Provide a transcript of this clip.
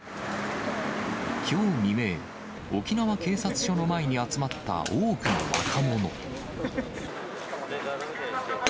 きょう未明、沖縄警察署の前に集まった多くの若者。